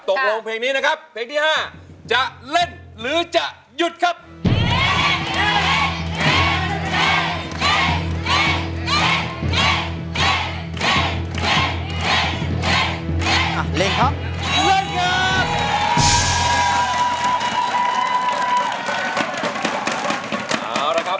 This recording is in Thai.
ตกลงเพลงนี้นะครับเพลงที่๕จะเล่นหรือจะหยุดครับ